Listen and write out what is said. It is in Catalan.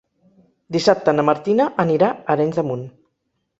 Dissabte na Martina anirà a Arenys de Munt.